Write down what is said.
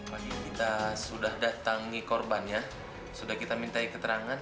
pagi kita sudah datang ke korbannya sudah kita minta keterangan